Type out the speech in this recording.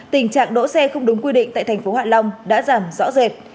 tình trạng đỗ xe không đúng quy định tại thành phố hạ long đã giảm rõ rệt